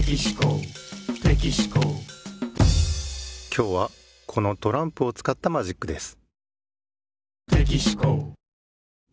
今日はこのトランプをつかったマジックです。